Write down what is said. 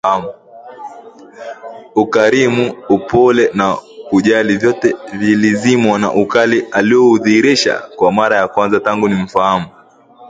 Ukarimu, upole na kujali vyote vilizimwa na ukali alioudhihirisha kwa mara ya kwanza tangu nimfahamu